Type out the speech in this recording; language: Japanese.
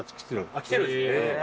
あっ来てる？